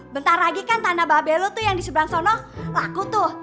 bentar lagi kan tanah babel lo yang diseberang sana laku tuh